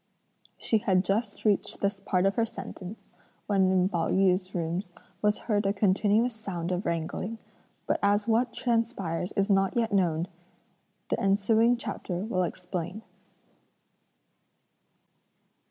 She had just reached this part of her sentence, when in Pao yü's rooms was heard a continuous sound of wrangling; but as what transpired is not yet known, the ensuing chapter will explain.